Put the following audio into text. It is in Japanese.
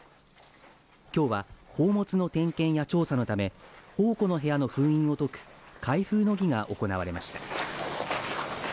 きょうは宝物の点検や調査のため宝庫の部屋の封印を解く開封の儀が行われました。